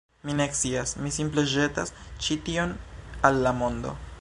Mi ne scias, mi simple ĵetas ĉi tion al la mondo